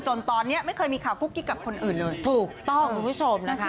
จนตอนเนี้ยไม่เคยมีค่าพูดกี้กับคนอื่นเลยถูกต้องคุณผู้ชมนะคะ